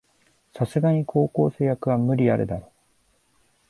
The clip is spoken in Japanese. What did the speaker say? さすがに高校生役は無理あるだろ